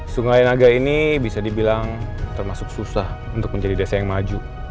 sungai naga ini bisa dibilang termasuk susah untuk menjadi desa yang maju